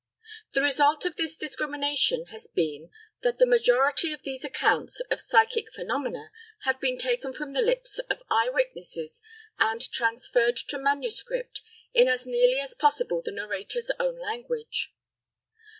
The result of this discrimination has been that the majority of these accounts of psychic phenomena have been taken from the lips of eye witnesses and transferred to manuscript in as nearly as possible the narrator's own language.